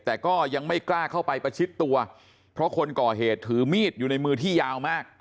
แต่ก็ยังไม่กล้าเข้าไปประชิดตัวเพราะคนก่อเหตุถือมีดอยู่ในมือที่ยาวมาก